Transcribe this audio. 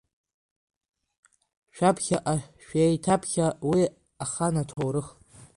Шәаԥхьаҟа, шәеиҭаԥхьа уи ахан аҭоурых.